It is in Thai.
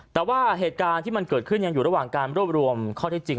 แต่ว่าเหตุการณ์ที่มันเกิดขึ้นยังอยู่ระหว่างการรวบรวมข้อที่จริง